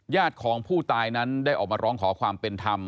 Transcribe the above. ญาติของผู้ตายนั้นได้ออกมาร้องขอความเป็นธรรม